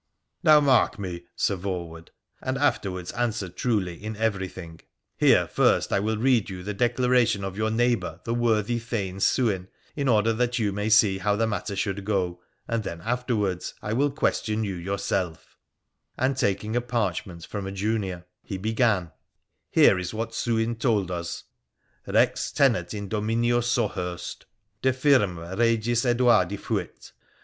' Now, mark me, Sir Voewood, and afterwards answer truly in everything. Here, first, I will read you the declaration of your neighbour, the worthy thane Sewin, in order that you may see how the matter should go, and then afterwards I will question you yourself,' and, taking a parchment from a junior, he began :' Here is what Sewin told us : Bex tenet in Dominio Sohurst ; da firma Begis Edwardi fiat.